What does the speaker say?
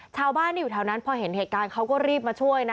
ชาวบ้านที่อยู่แถวนั้นพอเห็นเหตุการณ์เขาก็รีบมาช่วยนะ